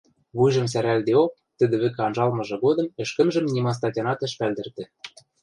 вуйжым сӓрӓлдеок, тӹдӹ вӹкӹ анжалмыжы годым ӹшкӹмжӹм нима статянат ӹш пӓлдӹртӹ.